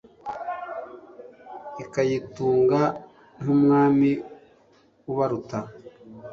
Ikayitunga nk'Umwami ubaruta